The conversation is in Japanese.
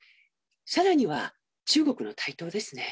さらには中国の台頭ですね。